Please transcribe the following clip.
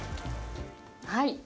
はい。